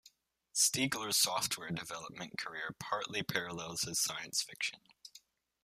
Stiegler's software development career partly parallels his science fiction.